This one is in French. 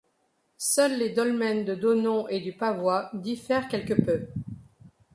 Seuls les dolmens de Dosnon et du Pavois diffèrent quelque peu.